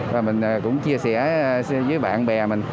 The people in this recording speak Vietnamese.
và mình cũng chia sẻ với bạn bè mình